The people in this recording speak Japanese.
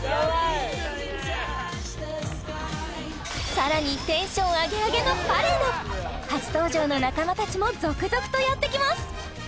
さらにテンションアゲアゲのパレード初登場の仲間たちも続々とやってきます